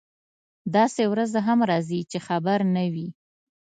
داسې ورځ هم راځي چې خبر نه وي.